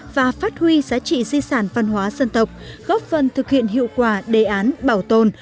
và phát huy giá trị di sản văn hóa dân tộc góp phần thực hiện hiệu quả đề án bảo tồn